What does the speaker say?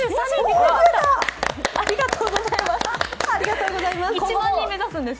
ありがとうございます。